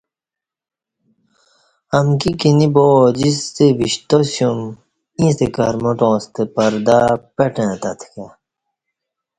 امکی کِینی با اوجِستہ وِشتاسیوم ییݩستہ کرمٹاں ستہ پردہ پٹں اہتہت کہ